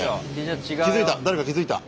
誰か気付いた！